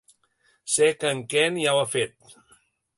Sé que en Ken ja ho ha fet.